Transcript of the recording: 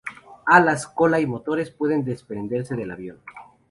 Alas, cola y motores pueden desprenderse del avión.